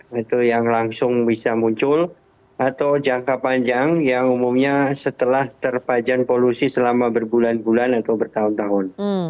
nah itu yang langsung bisa muncul atau jangka panjang yang umumnya setelah terpajan polusi selama berbulan bulan atau bertahun tahun